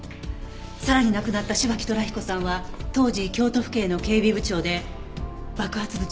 さらに亡くなった芝木寅彦さんは当時京都府警の警備部長で爆発物処理班の出身だった。